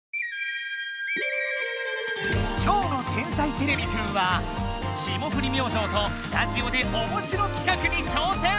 今日の「天才てれびくん」は霜降り明星とスタジオでおもしろきかくにちょう戦！